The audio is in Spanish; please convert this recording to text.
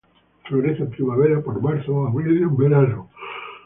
Florece en primavera, por marzo o abril y en verano.